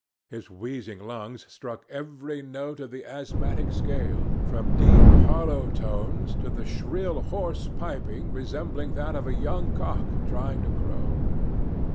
His wheezing lungs struck every note of the asthmatic scale, from deep, hollow tones to a shrill, hoarse piping resembling that of a young cock trying to crow.